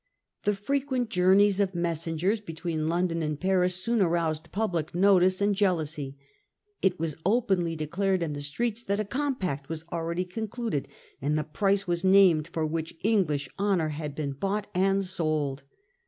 The frequent journeys of messengers between London and Paris soon aroused public notice and jealousy. It was openly declared in the streets that a compact was already concluded, and the price was named for which English honour had been bought and sold.